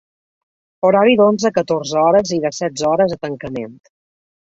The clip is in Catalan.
Horari de onze a catorze h i de setze h a tancament.